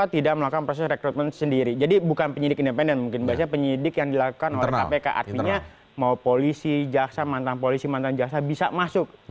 terjadi baik singkat saja